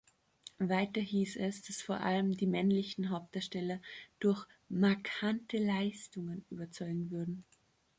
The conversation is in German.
Weiter hieß es, dass „vor allem die männlichen Hauptdarsteller“ durch „markante Leistungen“ überzeugen würden.